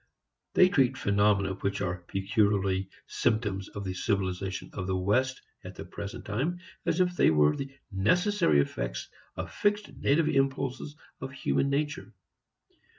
They treat phenomena which are peculiarly symptoms of the civilization of the West at the present time as if they were the necessary effects of fixed native impulses of human nature.